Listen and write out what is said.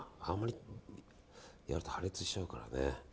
あまりやると破裂しちゃうからね。